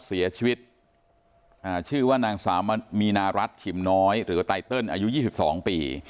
เสียชีวิตอ่าชื่อว่านางสาวมีนารัฐชิมน้อยหรือไตเติลอายุยี่สิบสองปี